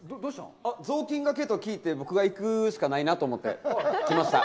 雑巾がけと聞いて、僕が行くしかないなと思って来ました。